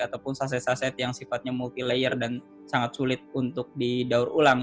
ataupun saset saset yang sifatnya multi layer dan sangat sulit untuk didaur ulang